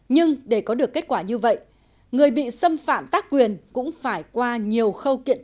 nhưng để có được kết quả như vậy người bị xâm phạm tác quyền cũng phải qua nhiều khâu kiện tụng